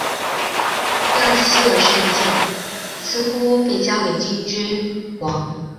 纳希尔圣剑似乎被交给精灵君王。